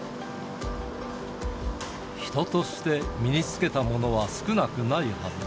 人として身につけたものは少なくないはずだ。